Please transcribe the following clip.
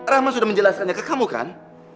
rahma sudah menjelaskannya ke kamu kan